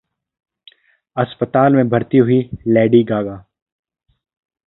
अस्पताल में भर्ती हुईं लेडी गागा